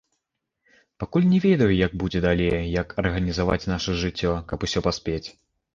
Пакуль не ведаю, як будзе далей, як арганізаваць наша жыццё, каб усё паспець.